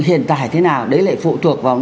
hiện tại thế nào đấy lại phụ thuộc vào